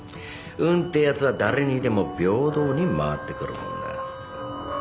運ってやつは誰にでも平等に回ってくるもんだ。